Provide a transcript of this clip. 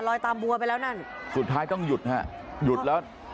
ตามบัวไปแล้วนั่นสุดท้ายต้องหยุดฮะหยุดแล้ว